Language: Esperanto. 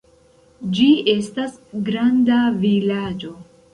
Ĝi estas granda vilaĝo.